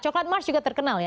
coklat mars juga terkenal ya